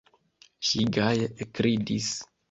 Ŝi gaje ekridis.